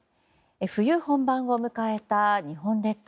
冬本番を迎えた日本列島。